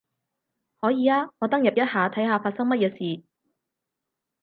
可以啊，我登入一下睇下發生乜嘢事